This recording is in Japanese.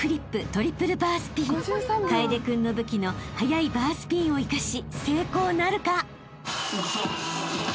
［楓君の武器の速いバースピンを生かし成功なるか？］